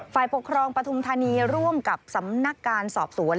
ฝ่ายปกครองปฐุมธานีร่วมกับสำนักการสอบสวน